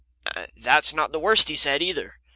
That's not the worst he said, either.